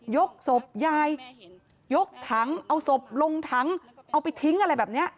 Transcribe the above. ยกศพยายยกถังเอาศพลงถังเอาไปทิ้งอะไรแบบนี้